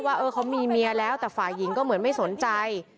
ว่าเออเขามีเมียแล้วแต่ฝ่ายหญิงก็เหมือนไม่สนใจ